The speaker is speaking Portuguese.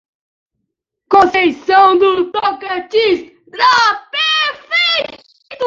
Conceição do Tocantins